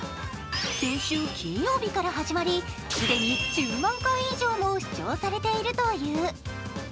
先週金曜日から始まり、既に１０万回以上も視聴されているいとう。